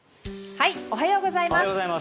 おはようございます。